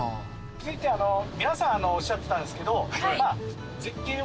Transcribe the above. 続いて皆さんおっしゃってたんですけど。